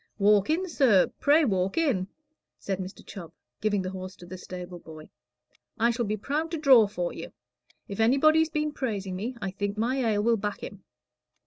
"Walk in, sir pray walk in," said Mr. Chubb, giving the horse to the stable boy. "I shall be proud to draw for you. If anybody's been praising me, I think my ale will back him."